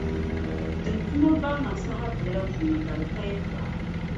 di ni tum o barina saha biɛla puuni ka di ka yɛtɔɣa.